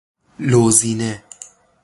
لوزینه